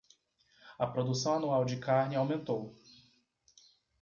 A produção anual de carne aumentou